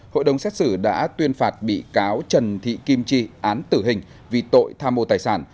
hội đồng xét xử đã tuyên phạt bị cáo trần thị kim chi án tử hình vì tội tham mô tài sản